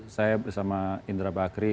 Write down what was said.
saya bersama indra bakri